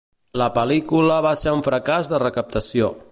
La pel·lícula va ser un fracàs de recaptació.